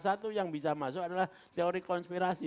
satu yang bisa masuk adalah teori konspirasi